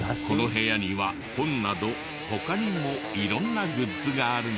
この部屋には本など他にも色んなグッズがあるので。